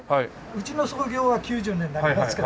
うちの創業は９０年になりますけど。